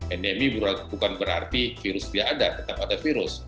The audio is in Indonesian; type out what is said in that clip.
endemi bukan berarti virus dia ada tetap ada virus